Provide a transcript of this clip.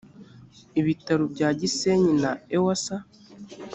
ibitaro bya gisenyi na ewsa